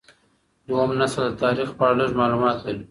دویم نسل د تاریخ په اړه لږ معلومات لري.